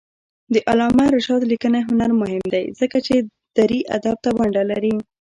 د علامه رشاد لیکنی هنر مهم دی ځکه چې دري ادب ته ونډه لري.